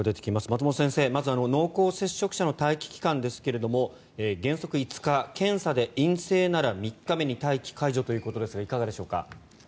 松本先生、まず濃厚接触者の待機期間ですけれど原則５日検査で陰性なら３日目に待機解除ということですがいかがでしょうか。